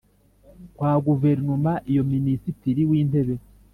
Kwa guverinoma iyo minisitiri w intebe